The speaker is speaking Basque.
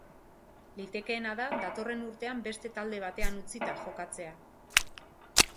Litekeena da datorren urtean beste talde batean utzita jokatzea.